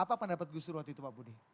apa pendapat gus dur waktu itu pak budi